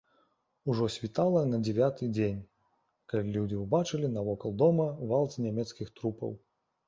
Ужо світала на дзевяты дзень, калі людзі ўбачылі навокал дома вал з нямецкіх трупаў.